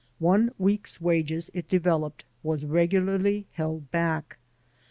One week's wages, it developed, was regularly held back.